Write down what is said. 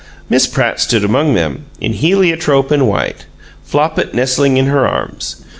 Miss Pratt stood among them, in heliotrope and white, Flopit nestling in her arms.